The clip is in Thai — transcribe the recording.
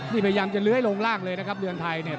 นี่พยายามจะเลื้อยลงล่างเลยนะครับเรือนไทยเนี่ย